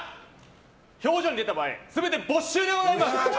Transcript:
表情に出た場合全て没収でございます！